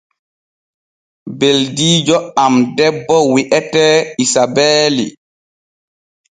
Ɓeldiijo am debbo wi’etee Isabeeli.